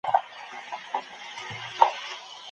د سمندر لایتناهي اوبه له دې ځایه د یوې هندارې په څېر دي.